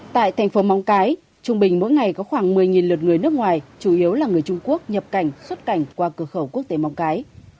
tại thành phố móng cái trung bình mỗi ngày có khoảng một mươi lượt người nước ngoài chủ yếu là người trung quốc nhập cảnh xuất cảnh qua cửa khẩu quốc tế móng cái